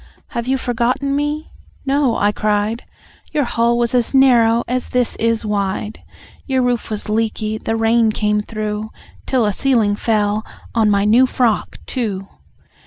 "Have you forgotten me?" "No!" I cried. "Your hall was as narrow as this is wide, Your roof was leaky, the rain came through Till a ceiling fell, on my new frock too!